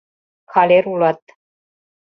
— Калер улат...